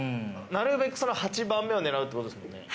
なるべく８番目を狙うってことですもんね。